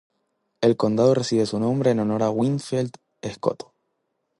El condado recibe su nombre en honor a Winfield Scott.